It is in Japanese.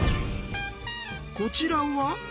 こちらは？